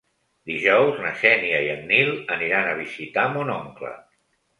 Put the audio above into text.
Dijous na Xènia i en Nil aniran a visitar mon oncle.